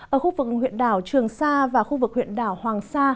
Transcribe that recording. ở khu vực huyện đảo trường sa và khu vực huyện đảo hoàng sa